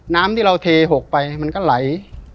น้ำที่เราเทหกไปมันก็ไหล